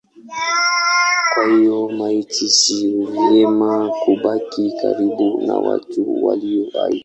Kwa hiyo maiti si vema kubaki karibu na watu walio hai.